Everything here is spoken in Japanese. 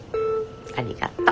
ありがと。